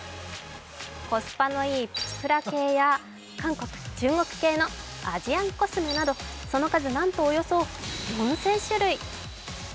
コスパのいいプチプラ系や韓国・中国系のアジアンコスメなどその数、なんとおよそ４０００種類。